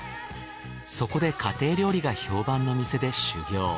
そこで家庭料理が評判の店で修業。